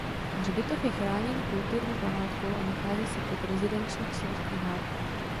Hřbitov je chráněnou kulturní památkou a nachází se pod rezidenční čtvrtí Haag.